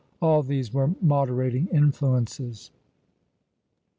All these were moderating influences.